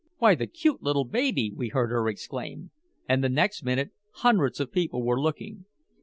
"Why, the cute little baby," we heard her exclaim. And the next minute hundreds of people were looking.